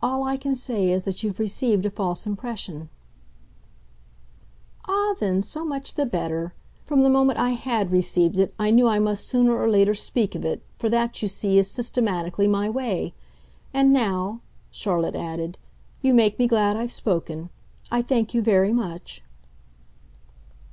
"All I can say is that you've received a false impression." "Ah then so much the better! From the moment I HAD received it I knew I must sooner or later speak of it for that, you see, is, systematically, my way. And now," Charlotte added, "you make me glad I've spoken. I thank you very much."